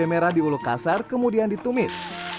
merah diuluk kasar kemudian ditumis